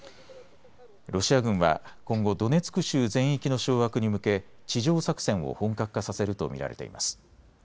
ロシア軍は今後、ドネツク州全域の掌握に向け地上作戦を本格化させると見られています。